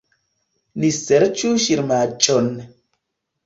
Ni serĉu ŝirmaĵon.